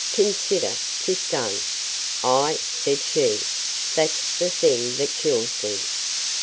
Consider, 'tis done.—Ay, said she, that's the thing that kills me.